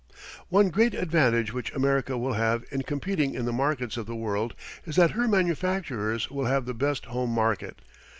One great advantage which America will have in competing in the markets of the world is that her manufacturers will have the best home market.